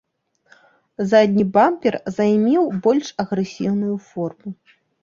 Задні бампер займеў больш агрэсіўную форму.